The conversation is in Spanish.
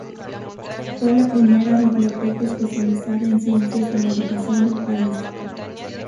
Fue la primera Biblioteca especializada en Ciencias de la Educación del país.